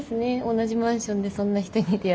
同じマンションでそんな人に出会えるって。